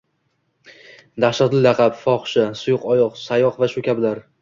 Dahshatli laqab. Fohisha, suyuqoyoq, sayoq va shu kabilar.